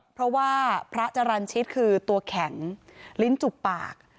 เพราะว่าพระจรรย์ชิตคือตัวแข็งลิ้นจุกปาก